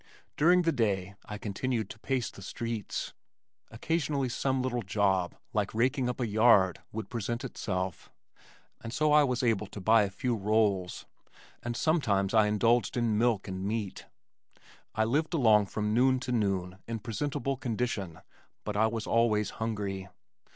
During the day I continued to pace the streets. Occasionally some little job like raking up a yard would present itself, and so I was able to buy a few rolls, and sometimes I indulged in milk and meat. I lived along from noon to noon in presentable condition, but I was always hungry.